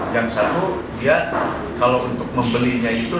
yang satu dia kalau untuk membelinya itu